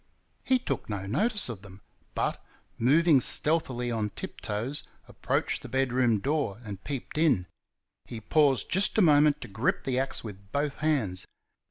He took no notice of them, but, moving stealthily on tip toes, approached the bedroom door and peeped in. He paused just a moment to grip the axe with both hands.